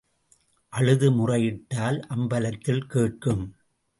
அழுது முறையிட்டால் அம்பலத்தில் கேட்கும்.